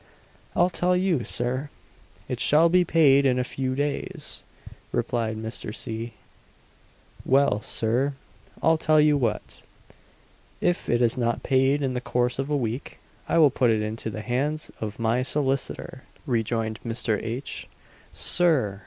"I tell you, Sir, it shall be paid in a few days," replied Mr. C. "Well, Sir, I'll tell you what if it is not paid in the course of a week, I will put it into the hands of my solicitor!" rejoined Mr. H. "Sir!"